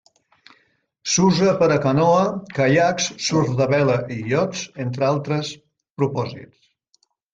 S'usa per a canoa, caiacs, surf de vela i iots, entre altres propòsits.